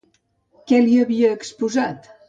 Què li havia exposat?